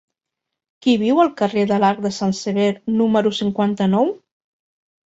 Qui viu al carrer de l'Arc de Sant Sever número cinquanta-nou?